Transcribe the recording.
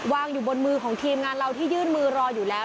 วางอยู่บนมือของทีมงานเราที่ยื่นมือรออยู่แล้ว